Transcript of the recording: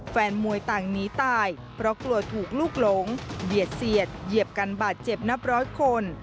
แฟนมวยต่างหนีตายเพราะกลัวถูกลูกหลงเหยียดเสียดเหยียบกันบาดเจ็บนับร้อยคน